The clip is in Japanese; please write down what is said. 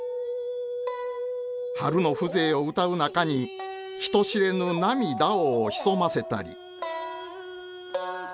春の風情をうたう中に人知れぬ涙を潜ませたり。